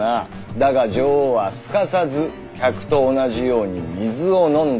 だが女王はすかさず客と同じように水を飲んだ。